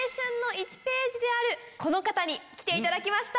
この方に来ていただきました。